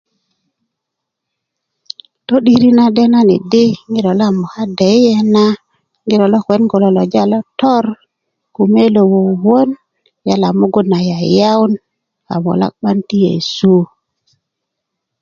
to'diri na denani di ŋiro na moka deyiye na ŋiro lo kuwen kulo loja lotor kume lo wowon yala mugun na sasa'yu mugun na yayawun kamulak 'ban ti yesu